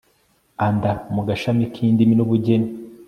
anda mu gashami k'indimi n'ubugeni